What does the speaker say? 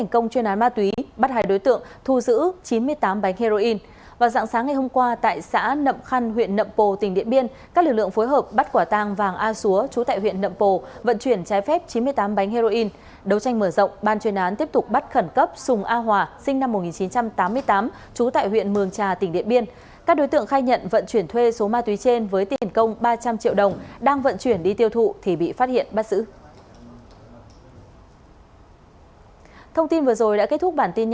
các đối tượng khai nhận vận chuyển thuê số ma túy trên với tiền công ba trăm linh triệu đồng đang vận chuyển đi tiêu thụ thì bị phát hiện bắt giữ